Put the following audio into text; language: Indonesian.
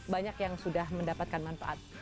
banyak yang sudah mendapatkan manfaat